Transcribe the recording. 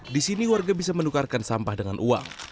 di sini warga bisa menukarkan sampah dengan uang